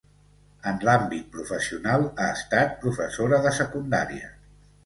En l'àmbit professional, ha estat professora de secundària.